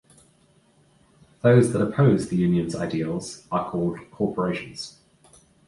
Those that oppose the Unions' ideals are called "Corporations".